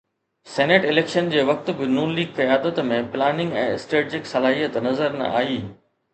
Senate election جي وقت به ن ليگ قيادت ۾ پلاننگ ۽ اسٽريٽجڪ صلاحيت نظر نه آئي.